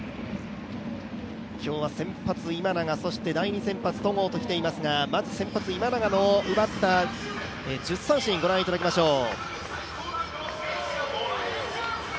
今日は先発・今永、そして第２先発・戸郷ときていますが、まず先発・今永の奪った１０三振をご覧いただきましょう。